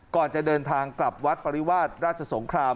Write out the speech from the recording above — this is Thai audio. ก่อนจะเดินทางกลับวัดปริวาสราชสงคราม